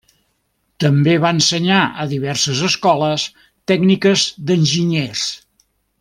També va ensenyar a diverses escoles tècniques d'enginyers.